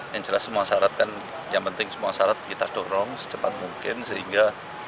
yang jelas semua syarat kan yang penting semua syarat kita dorong secepat mungkin sehingga